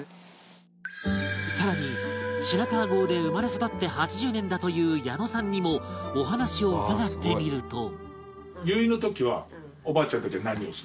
更に白川郷で生まれ育って８０年だという矢野さんにもお話を伺ってみると